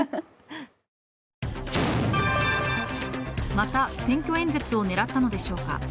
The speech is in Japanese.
また選挙演説を狙ったのでしょうか。